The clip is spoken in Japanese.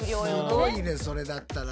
すごいねそれだったら。